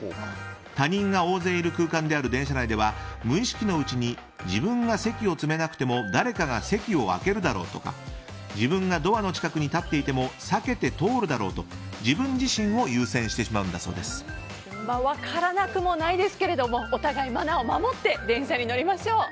他人が大勢いる空間である電車内では無意識のうちに自分が席を詰めなくても誰かが席を空けるだろうとか自分がドアの近くに立っていても避けて通るだろうと自分自身を分からなくもないですけどお互いマナーを守って電車に乗りましょう。